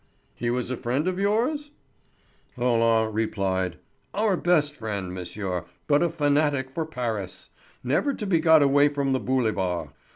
"He was a friend of yours?" Roland replied: "Our best friend, monsieur, but a fanatic for Paris; never to be got away from the boulevard.